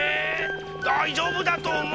だいじょうぶだとおもうけど。